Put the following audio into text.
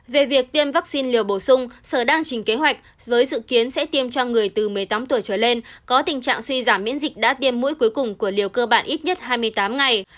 về việc tiêm vaccine liều bổ sung sở đang trình kế hoạch với dự kiến sẽ tiêm cho người từ một mươi tám tuổi trở lên có tình trạng suy giảm miễn dịch đã tiêm mũi cuối cùng của liều cơ bản ít nhất hai mươi tám ngày